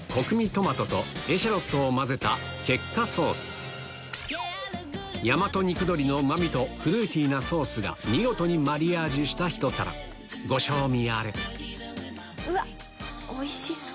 トマトとエシャロットを混ぜたケッカソース大和肉鶏のうまみとフルーティーなソースが見事にマリアージュしたひと皿ご賞味あれうわっおいしそう！